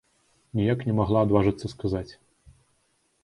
Ніяк не магла адважыцца сказаць.